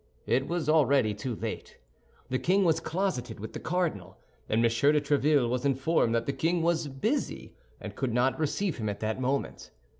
It was already too late. The king was closeted with the cardinal, and M. de Tréville was informed that the king was busy and could not receive him at that moment.